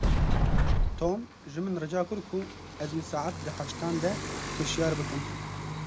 Tom ji min rica kir ku ez wî saet di heştan de hişyar bikim.